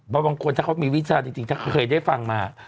บางคนถ้าเขามีวิชาจริงถ้าเคยได้ฟังมา